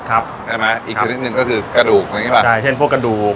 ครับใช่ไหมอีกชนิดหนึ่งก็คือกระดูกนะใช่ป่ะใช่เช่นพวกกระดูก